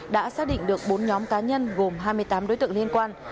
đã xác định được bốn nhóm cá nhân gồm hai mươi tám đối tượng liên quan